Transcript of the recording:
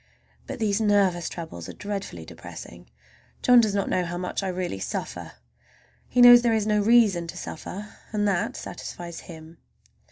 But these nervous troubles are dreadfully depressing. John does not know how much I really suffer. He knows there is no reason to suffer, and that satisfies him.